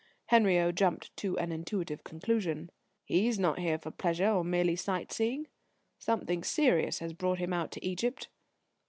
Henriot jumped to an intuitive conclusion: "He's not here for pleasure or merely sight seeing. Something serious has brought him out to Egypt."